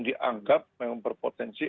dianggap memang berpotensi